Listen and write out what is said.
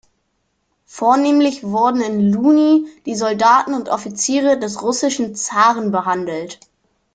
Vornehmlich wurden in Louny die Soldaten und Offiziere des russischen Zaren behandelt.